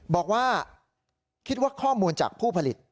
บอกว่าคิดว่าข้อมูลจากผู้ผลิต